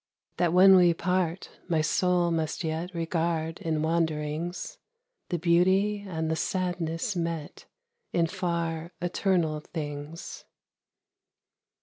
That when we part my soul must yet Regard, in wanderings, The beauty and the sadness met In far, eternal things.